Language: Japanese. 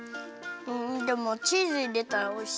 うんでもチーズいれたらおいしい。